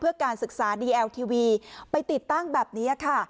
เพื่อการศึกษาดีเอลทีวีไปติดตั้งแบบนี้ค่ะ